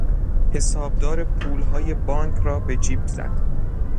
حسابدار پولهای بانک را به جیب زد.